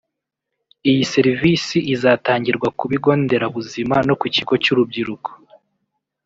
Iyi serivisi izatangirwa ku bigo nderabuzima no ku Kigo cy’urubyiruko